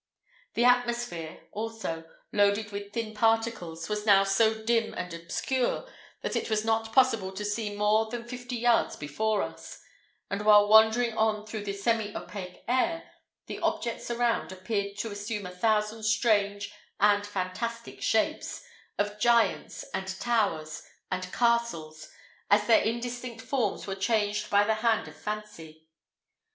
The atmosphere, also, loaded with thin particles, was now so dim and obscure, that it was not possible to see more than fifty yards before us, and, while wandering on through the semi opaque air, the objects around appeared to assume a thousand strange and fantastic shapes, of giants, and towers, and castles, as their indistinct forms were changed by the hand of fancy.